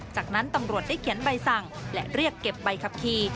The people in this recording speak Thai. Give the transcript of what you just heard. จากนั้นตำรวจได้เขียนใบสั่งและเรียกเก็บใบขับขี่